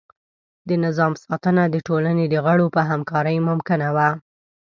د نظام ساتنه د ټولنې د غړو په همکارۍ ممکنه وه.